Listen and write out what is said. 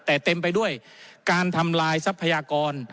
แต่เต็มไปด้วยการทำลายทรัพยากร